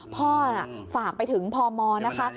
พ่อฝากไปถึงพมนะคะ